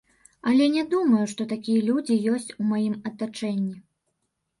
Але не думаю, што такія людзі ёсць у маім атачэнні.